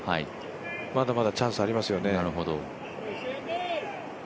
まだまだチャンスありますよね。